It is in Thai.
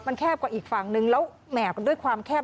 มันแคบกว่าอีกฝั่งนึงแล้วแหม่ด้วยความแคบ